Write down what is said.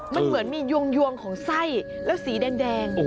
มันเหมือนมียวงของไส้แล้วสีแดง